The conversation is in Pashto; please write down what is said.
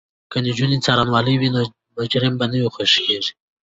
که نجونې څارنوالې وي نو مجرم به نه خوشې کیږي.